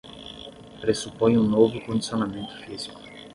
Pressupõe um novo condicionamento físico